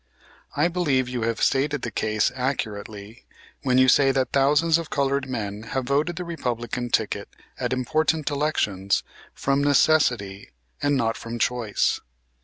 I believe you have stated the case accurately when you say that thousands of colored men have voted the Republican ticket at important elections, from necessity and not from choice.